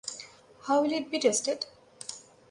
How will it be tested?